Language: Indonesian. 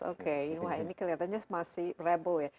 oke wah ini kelihatannya masih rebel ya